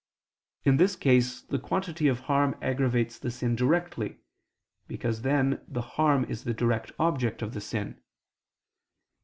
In this case the quantity of harm aggravates the sin directly, because then the harm is the direct object of the sin.